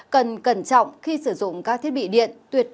cần cẩn trọng khi sử dụng các thiết bị điện tử